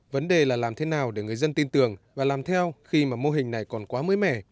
vấn đề là làm thế nào để người dân tin tưởng và làm theo khi mà mô hình này còn quá mới mẻ